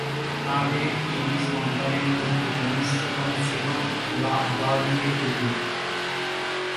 তাঁদের তিনটি সন্তানের মধ্যে কনিষ্ঠতম ছিলেন ভ্লাদিমির পুতিন।